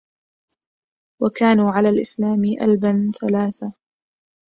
وكانوا على الإسلام إلبا ثلاثة